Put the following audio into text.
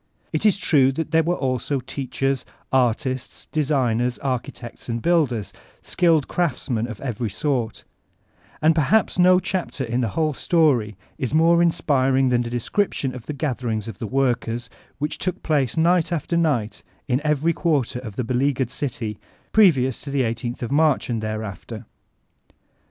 It is true that there were also teachers, artists, designers, architects and builders, skilled craftsmen of every sort And perhaps no chapter in the whole story is more inspiring than the description of the gatherings of the workers, which took place night after night m every quarter of the beleaguered dty, previous to ifie i8th of MTarch and thereafter.